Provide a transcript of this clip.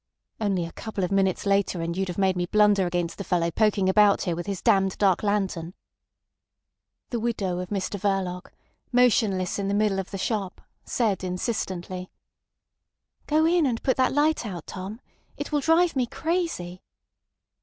"Only a couple of minutes later and you'd have made me blunder against the fellow poking about here with his damned dark lantern." The widow of Mr Verloc, motionless in the middle of the shop, said insistently: "Go in and put that light out, Tom. It will drive me crazy."